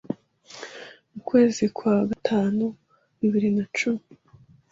Mu kwezi kwa gatanu bibiri nacumi